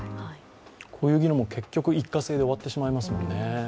こういう議論も結局、一過性で終わってしまいますもんね。